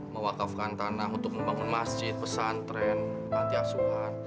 mewakafkan tanah untuk membangun masjid pesantren panti asuhan